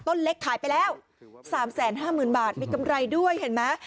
เล็กขายไปแล้ว๓๕๐๐๐บาทมีกำไรด้วยเห็นไหม